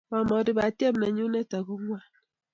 Bomori patiem nenyun net ako ngwan